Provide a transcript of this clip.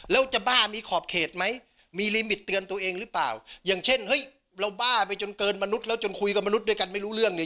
แล้วจะบ้ามีขอบเขตไหมมีลิมิตเตือนตัวเองหรือเปล่าอย่างเช่นเฮ้ยเราบ้าไปจนเกินมนุษย์แล้วจนคุยกับมนุษย์ด้วยกันไม่รู้เรื่องเนี่ย